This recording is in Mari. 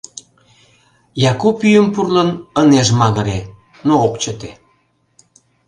Яку пӱйым пурлын, ынеж магыре, но ок чыте.